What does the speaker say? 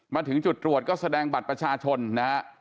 มาถึงจุดตรวจก็แสดงบัตรประชาชนนะฮะ